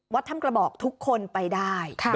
วัดธรรมกระบอกทุกคนไปได้